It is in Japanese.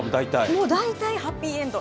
もう大体ハッピーエンド。